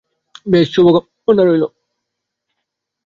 বেশ, শুভকামনা রইলো।